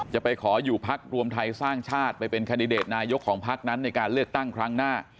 จะไปขออยู่พักรวมไทยสร้างชาติไปเป็นแคนดิเดตนายกของพักนั้นในการเลือกตั้งครั้งหน้า